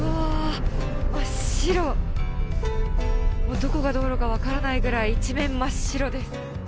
どこが道路か分からないぐらい一面、真っ白です。